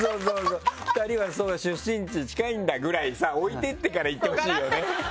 「２人はそうだ出身地近いんだ」ぐらいさ置いていってから行ってほしいよね。